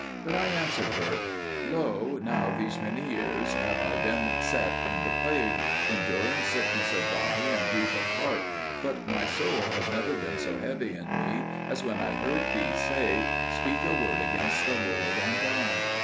But I answered her, "Lo, now these many years have I been set in the plague, enduring sickness of body and grief of heart, but my soul has never been so heavy in me as when I heard thee say, 'Speak a word against the Lord, and die.'